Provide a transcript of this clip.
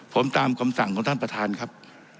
ผมตามคำสั่งของท่านประธานครับ